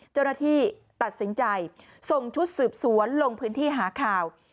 เจ้าหน้าที่ตัดสินใจส่งชุดสืบสวนลงพื้นที่หาข่าว